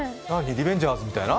リベンジャーズみたいな？